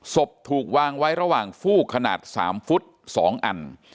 ถูกวางไว้ระหว่างฟูกขนาด๓ฟุต๒อัน